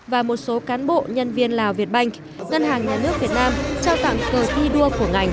và một số cán bộ nhân viên lào việt banh ngân hàng nhà nước việt nam trao tặng cờ thi đua của ngành